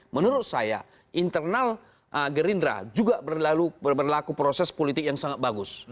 menurut saya internal gerindra juga berlaku proses politik yang sangat bagus